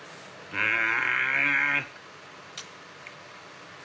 うん！